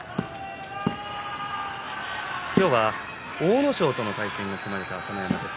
今日は阿武咲との対戦が組まれた朝乃山です。